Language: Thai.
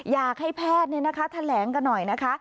อยากให้แพทย์เนี้ยนะคะทันแหลงกันหน่อยนะคะ